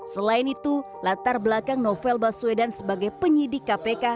selain itu latar belakang novel baswedan sebagai penyidik kpk